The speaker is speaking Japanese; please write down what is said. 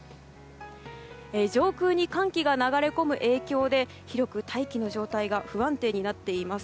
上空に寒気が流れ込む影響で広く大気の状態が不安定になっています。